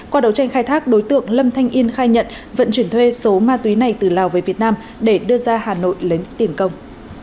qua đấu tranh khai thác đối tượng lâm thanh yên khai nhận vận chuyển thuê số ma túy này từ lào về việt nam để đưa ra hà nội lấy tiền công